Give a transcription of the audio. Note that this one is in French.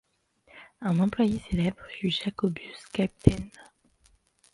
Un employé célèbre fut Jacobus Kapteyn.